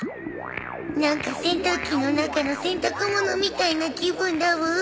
何か洗濯機の中の洗濯物みたいな気分だブー